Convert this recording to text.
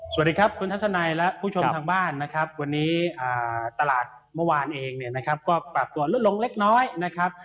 สวัสดีครับคุณทัศนัยและผู้ชมทางบ้านนะครับวันนี้ตลาดเมื่อวานเองเนี่ยนะครับก็ปรับตัวลดลงเล็กน้อยนะครับ